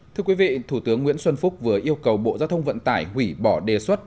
thưa quý vị thủ tướng nguyễn xuân phúc vừa yêu cầu bộ giao thông vận tải hủy bỏ đề xuất